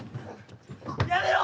やめろ！